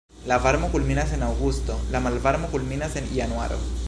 La varmo kulminas en aŭgusto, la malvarmo kulminas en januaro.